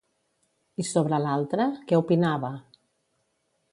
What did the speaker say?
I sobre l'altre, què opinava?